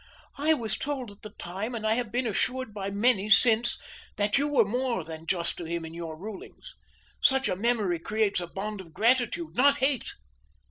I was told at the time and I have been assured by many since that you were more than just to him in your rulings. Such a memory creates a bond of gratitude, not hate.